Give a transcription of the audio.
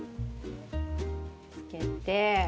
つけて。